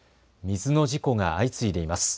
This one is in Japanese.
水の事故が相次いでいます。